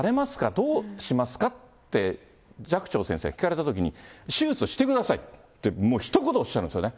どうしますかって、寂聴先生、聞かれたときに、手術をしてくださいって、もうひと言おっしゃいましたよね。